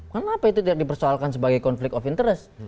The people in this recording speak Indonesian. kenapa itu tidak dipersoalkan sebagai konflik of interest